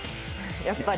やっぱり。